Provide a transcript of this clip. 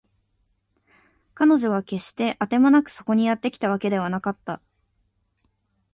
彼女は決してあてもなくそこにやってきたわけではなかった